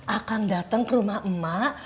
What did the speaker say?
akan dateng ke rumah emak